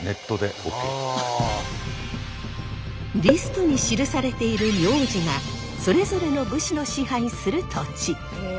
リストに記されている名字がそれぞれの武士の支配する土地。